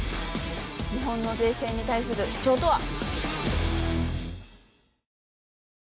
日本の税制に対する主張とは？